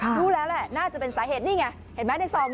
รู้แล้วแหละน่าจะเป็นสาเหตุนี่ไงเห็นไหมในซอง